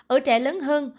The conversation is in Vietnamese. ở trẻ lớn hơn